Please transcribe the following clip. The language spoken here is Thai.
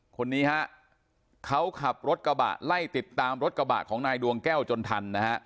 คนนี้ฮะเขาขับรถกระบะไล่ติดตามรถกระบะของนายดวงแก้วจนทันนะฮะ